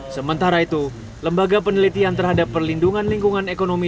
sementara itu lembaga penelitian terhadap perlindungan lingkungan ekonomi